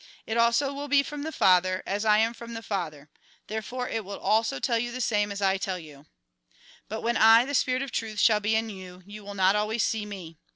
It also will be from the Father, as I am from the Father ; therefore it also will tell you the same as I tell you. " But when I, the spirit of truth, shall be in you, you will not always see me.